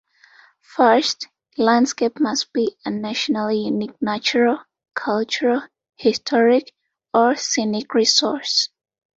First, the landscape must be a nationally unique natural, cultural, historic, or scenic resource.